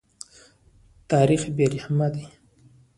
تاریخ بې رحمه دی.